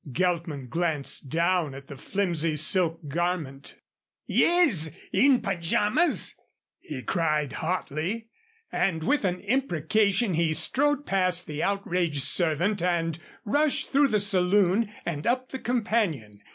Geltman glanced down at the flimsy silk garment. "Yes in pajamas," he cried, hotly. And with an imprecation he strode past the outraged servant and rushed through the saloon and up the companion.